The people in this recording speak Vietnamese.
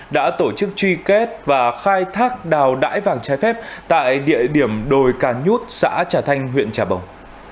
đã tổ chức truy kết và khai thác đào đải vàng trái phép tại địa điểm đồi cà nhút xã trà thanh huyện trà bồng